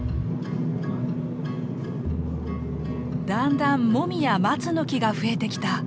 だんだんモミやマツの木が増えてきた。